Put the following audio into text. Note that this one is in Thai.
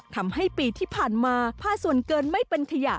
ทำให้ปีที่ผ่านมาผ้าส่วนเกินไม่เป็นขยะ